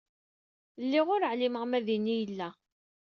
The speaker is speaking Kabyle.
Lliɣ ur ɛlimeɣ ma din i yella.